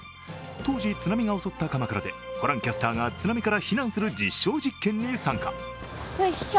当時、津波が襲った鎌倉でホランキャスターが津波から避難する実証実験に参加。